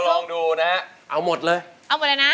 ก็ลองดูนะเอาหมดเลย